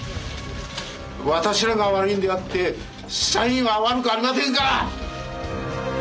私らが悪いんであって社員は悪くありませんから！